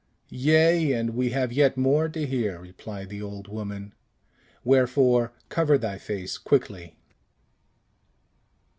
"Yea; and we have yet more to hear," replied the old woman. "Wherefore, cover thy face quickly."